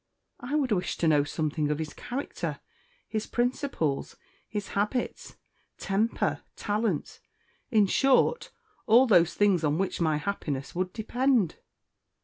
"I would wish to know something of his character, his principles, his habits, temper, talents in short, all those things on which my happiness would depend."